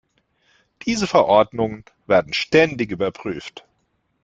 Diese Verordnungen werden ständig überprüft.